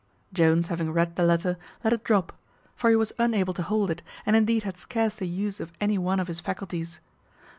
Jones having read the letter, let it drop (for he was unable to hold it, and indeed had scarce the use of any one of his faculties).